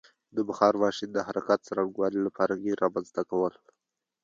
د بخار ماشین د حرکت څرنګوالي لپاره ګېر رامنځته کول.